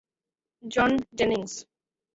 John Jennings.